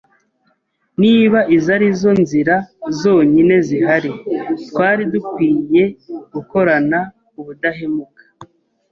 Niba izo ari zo nzira zonyine zihari, twari dukwiye gukorana ubudahemuka